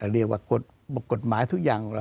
เรียกว่ากฎหมายทุกอย่าง